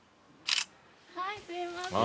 はいすいません。